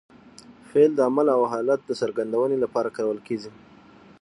فعل د عمل او حالت د څرګندوني له پاره کارول کېږي.